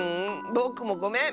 ぼくもごめん！